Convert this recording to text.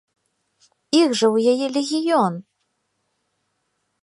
Іх жа ў яе легіён!